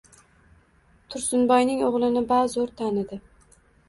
Tursunboyning o‘g‘lini bazo‘r tanidi.